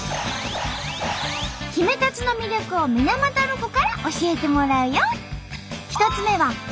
ヒメタツの魅力を水俣ロコから教えてもらうよ。